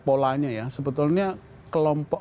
polanya ya sebetulnya kelompok